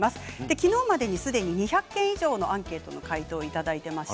昨日までにすでに２００件以上のアンケートのご回答をいただいています。